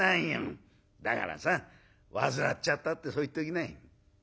だからさ患っちゃったってそう言っときない」。